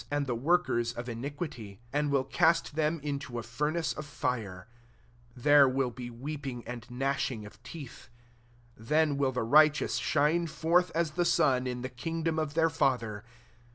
4^ and the workers of iniquity ; 42 and will cast them into a fur nace of fire : there will be weep ing and gnashing of teeth. 43 Then will the righteous shine forth as the sun, in the king dom of their Father.